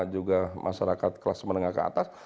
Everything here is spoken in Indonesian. juga masyarakat kelas menengah ke atas